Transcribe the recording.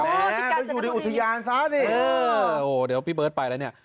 อ๋อที่กาญจนบุรีอุทยานซะสิเออโอ้เดี๋ยวพี่เบิร์ทไปแล้วเนี่ย